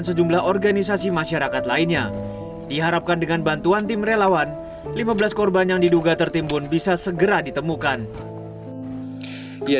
setelah menemukan ketiga tiga orang lima belas korban yang diduga tertimbun bisa segera ditemukan